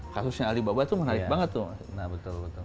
kasusnya alibaba itu menarik banget tuh